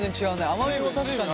甘みも確かに。